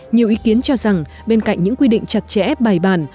nhiều ý kiến cho rằng bên cạnh những quy định chặt chẽ bài bàn